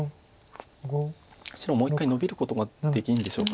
白もう一回ノビることができるんでしょうか。